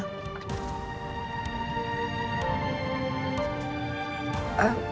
sampai kapanpun ya